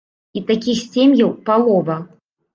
І такіх сем'яў палова.